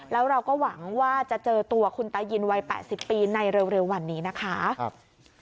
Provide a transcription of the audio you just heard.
แล้วเราก็หวังว่าจะเจอตัวคุณตายินวัย๘๐ปีในเร็ววันนี้นะคะ